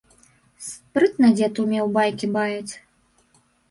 Спрытна дзед умеў байкі баяць.